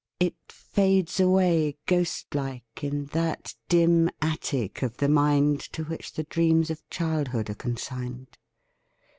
It fades away, Ghost like, in that dim attic of the mind To which the dreams of childhood are consigned.